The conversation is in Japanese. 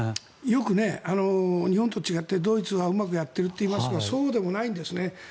よく日本と違ってドイツはうまくやっているといいますがそうでもないんですね。